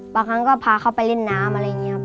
บางครั้งก็พาเขาไปเล่นน้ำอะไรอย่างนี้ครับ